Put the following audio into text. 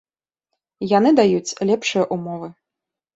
Яны даюць лепшыя ўмовы.